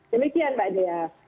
demikian mbak dea